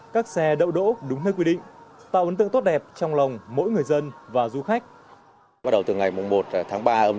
các xe đậu đỗ đúng nơi quy định tạo ấn tượng tốt đẹp trong lòng mỗi người dân và du khách